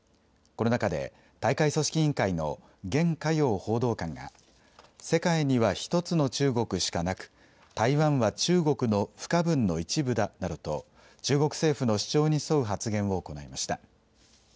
この中で、大会組織委員会の厳家蓉報道官が、世界には１つの中国しかなく、台湾は中国の不可分の一部だなどと、中国政府の主張に沿う発言を行いました。